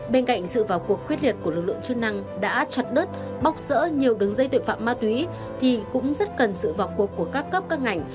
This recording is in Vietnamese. bên cạnh sự vào cuộc quyết liệt của lực lượng chức năng đã chặt đứt bóc rỡ nhiều đứng dây tội phạm ma túy thì cũng rất cần sự vào cuộc của các cấp các ngành